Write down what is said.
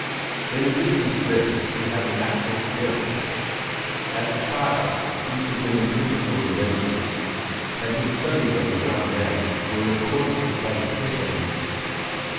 In addition to this he had a natural gift. As a child Fris had been intended for the ministry, and his studies as a young man were in accordance with that intention.